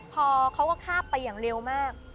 พอเขาก็ข้ามไปอย่างเร็วมาก